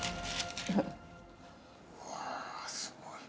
うわあすごい。